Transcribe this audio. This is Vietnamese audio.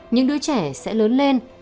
những đứa trẻ sẽ lớn lên